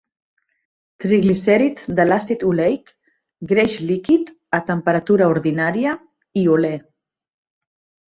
Triglicèrid de l'àcid oleic, greix líquid a temperatura ordinària, i olè.